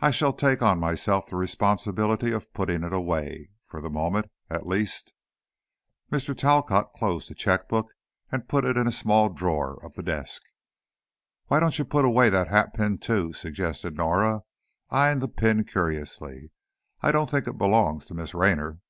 I shall take on myself the responsibility of putting it away, for the moment, at least." Mr. Talcott closed the checkbook and put it in a small drawer of the desk. "Why don't you put away that hatpin, too?" suggested Norah, eying the pin curiously. "I don't think it belongs to Miss Raynor."